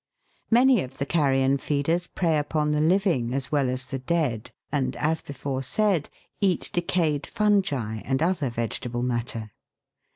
Many of the carrion feeders prey upon the living, as well as the dead, and, as before said, eat decayed fungi and other vegetable matter.